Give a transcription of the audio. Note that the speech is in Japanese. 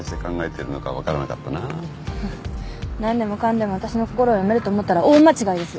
何でもかんでも私の心を読めると思ったら大間違いです。